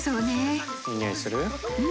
いい匂いする？